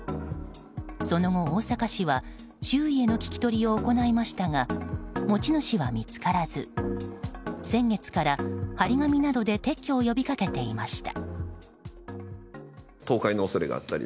その後、大阪市は周囲への聞き取りを行いましたが持ち主は見つからず先月から貼り紙などで撤去を呼び掛けていました。